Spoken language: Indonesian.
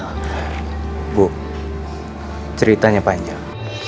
hai ibu ceritanya panjang